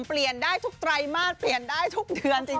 เปลี่ยนได้ทุกไตรมาสเปลี่ยนได้ทุกเดือนจริง